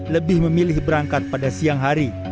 lebih memilih berangkat pada siang hari